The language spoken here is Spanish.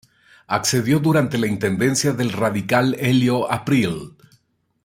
Accedió durante la intendencia del radical Elio Aprile.